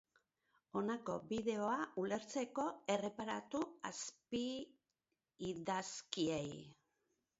Honako bideoa ulertzeko, erreparatu azpiidazkiei.